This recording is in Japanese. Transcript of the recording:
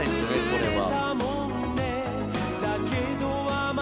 これは」